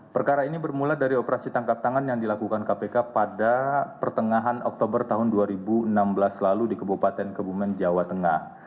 perkara ini bermula dari operasi tangkap tangan yang dilakukan kpk pada pertengahan oktober tahun dua ribu enam belas lalu di kebupaten kebumen jawa tengah